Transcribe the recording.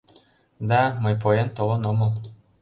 Да, мый поен толын омыл.